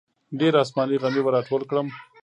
ډېر اسماني غمي به راټول کړم.